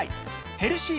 ヘルシー